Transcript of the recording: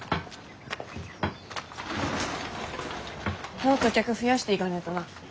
もっと客増やしていかねえとな。